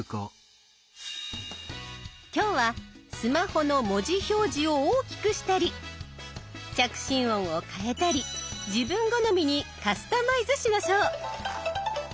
今日はスマホの文字表示を大きくしたり着信音を変えたり自分好みにカスタマイズしましょう。